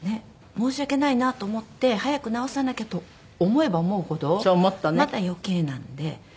申し訳ないなと思って早く治さなきゃと思えば思うほどまた余計なんで。